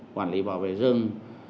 quản lý bảo vệ rừng